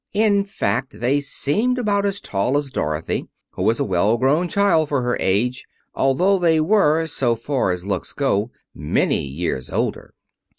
In fact, they seemed about as tall as Dorothy, who was a well grown child for her age, although they were, so far as looks go, many years older.